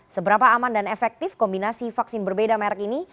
seberapa aman dan efektif kombinasi vaksin berbeda merek ini